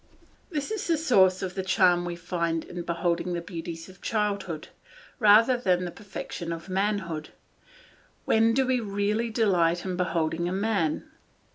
This is the source of the charm we find in beholding the beauties of childhood, rather than the perfection of manhood. When do we really delight in beholding a man?